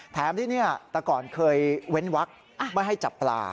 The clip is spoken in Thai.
แถมที่นี่แต่ก่อนเคยเว้นวักไม่ให้จับปลา